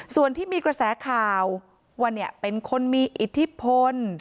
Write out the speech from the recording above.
ส่วนที่มีกระแสข่าวว่าเป็นคนมีอิทธิพล